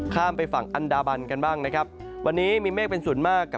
ข้ามไปฝั่งอันดาบันกันบ้างนะครับวันนี้มีเมฆเป็นส่วนมากกับ